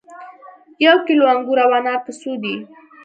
یو کیلو انګور او انار په څو دي